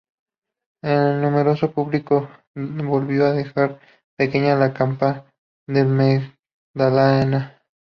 El numeroso público volvió a dejar ‘pequeña’ la Campa de La Magdalena.